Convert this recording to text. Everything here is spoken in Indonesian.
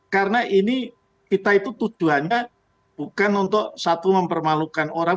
karena ini kita itu tujuannya bukan untuk satu mempermalukan orang